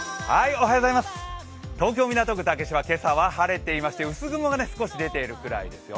東京・港区竹芝、今朝は晴れていまして薄雲が少し出ているぐらいですよ。